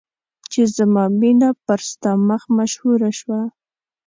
چې زما مینه پر ستا مخ مشهوره شوه.